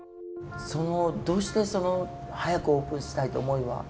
どうして早くオープンしたいと思いは？